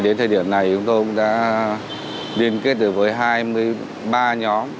đến thời điểm này chúng tôi cũng đã liên kết được với hai mươi ba nhóm